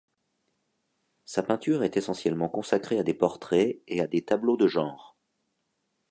Sa peinture est essentiellement consacrée à des portraits et à des tableaux de genre.